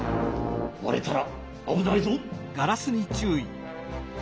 われたらあぶないぞ！